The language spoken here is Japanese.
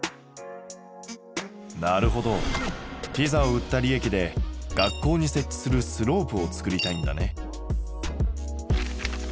なるほどピザを売った利益で学校に設置するスロープを作りたいんだね。